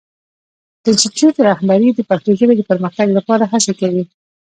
د انسټیټوت رهبري د پښتو ژبې د پرمختګ لپاره هڅې کوي.